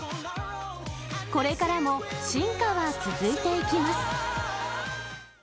これからも進化は続いていきます。